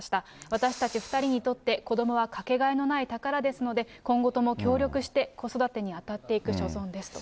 私たち２人にとって、子どもは掛けがえのない宝ですので、今後とも協力して子育てに当たっていく所存ですと。